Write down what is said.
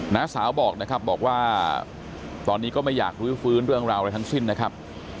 น้าสาวบอกนะครับบอกว่าตอนนี้ก็ไม่อยากรื้อฟื้นเรื่องราวอะไรทั้งสิ้นนะครับ